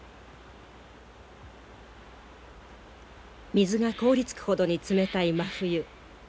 水が凍りつくほどに冷たい真冬。